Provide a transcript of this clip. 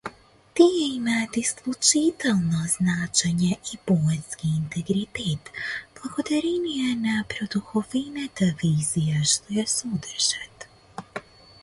Тие имаат исклучително значење и поетски интегритет благодарение на продуховената визија што ја содржат.